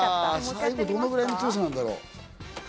どのぐらいの強さなんだろう？